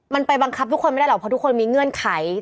มันไปบังคับทุกคนไม่ได้หรอกเพราะทุกคนมีเงื่อนไข